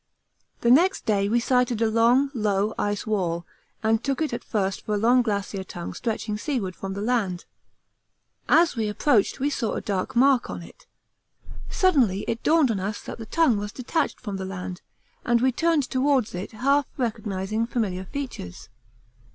The next day we sighted a long, low ice wall, and took it at first for a long glacier tongue stretching seaward from the land. As we approached we saw a dark mark on it. Suddenly it dawned on us that the tongue was detached from the land, and we turned towards it half recognising familiar features.